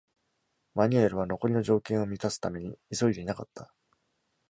Manuel は残りの条件を満たすために急いでいなかった。